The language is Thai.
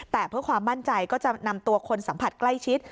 แต่เพื่อความมั่นใจก็จะนำตัวคนสัมผัสใกล้ชิด